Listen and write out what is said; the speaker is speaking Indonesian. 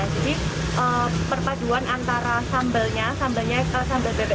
jadi perpaduan antara sambalnya ke sambal bebek